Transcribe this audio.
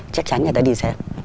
chắc chắn người ta đi xem